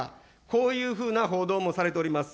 こういうふうな報道もされております。